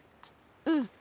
うん。